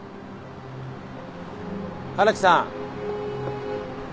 荒木さん。